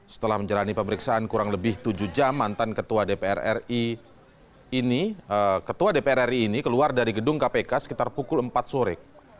setelah menjalani pemeriksaan kurang lebih tujuh jam mantan ketua dpr ri ketua dpr ri ini keluar dari gedung kpk sekitar pukul empat sore